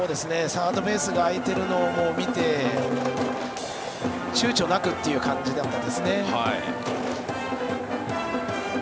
サードベースが空いているのを見てちゅうちょなくっていう感じでしたね。